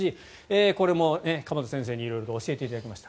これも鎌田先生に色々教えていただきました。